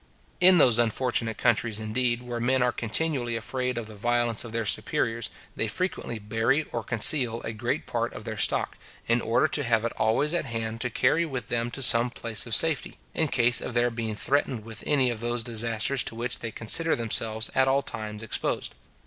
In those unfortunate countries, indeed, where men are continually afraid of the violence of their superiors, they frequently bury or conceal a great part of their stock, in order to have it always at hand to carry with them to some place of safety, in case of their being threatened with any of those disasters to which they consider themselves at all times exposed.